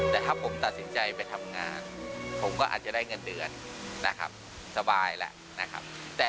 แต่ถ้าผมตัดสินใจไปทำงานผมก็อาจจะได้เงินเดือนสบายแหละ